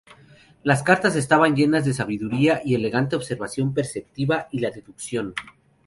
Las cartas estaban llenas de sabiduría y elegante observación perceptiva y la deducción.